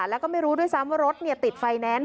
แล้วก็ไม่รู้ด้วยซ้ำว่ารถติดไฟแนนซ์